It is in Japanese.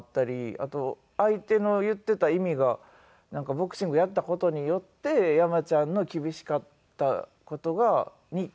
あと相手の言っていた意味がボクシングやった事によって山ちゃんの厳しかった事が意味がわかったっていうか。